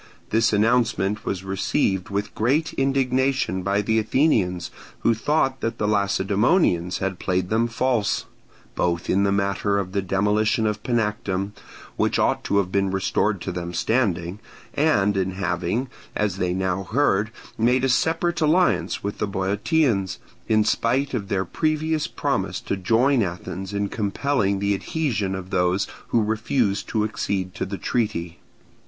This announcement was received with great indignation by the Athenians, who thought that the Lacedaemonians had played them false, both in the matter of the demolition of Panactum, which ought to have been restored to them standing, and in having, as they now heard, made a separate alliance with the Boeotians, in spite of their previous promise to join Athens in compelling the adhesion of those who refused to accede to the treaty.